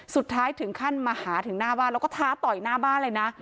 สุดท้ายถึงขั้นมาหาถึงหน้าบ้านแล้วก็ท้าต่อยหน้าบ้านเลยนะ